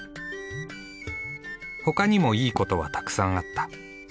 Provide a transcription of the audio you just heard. ほかにもいいことはたくさんあった。